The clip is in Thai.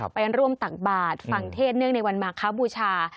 เป็นร่วมต่างบาทฟังเทศเนื่องในวันมาครับบูชา